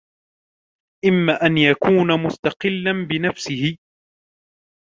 إمَّا أَنْ يَكُونَ مُسْتَقِلًّا بِنَفْسِهِ